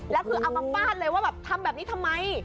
แล้วคือเอามาฟาดเลยว่าแบบทำแบบนี้ทำไม